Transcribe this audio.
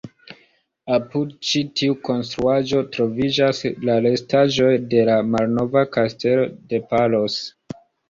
Apud ĉi tiu konstruaĵo, troviĝas la restaĵoj de la malnova kastelo de Palos.